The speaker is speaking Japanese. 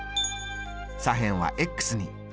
左辺はに。